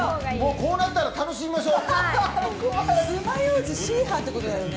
こうなったら楽しみましょう。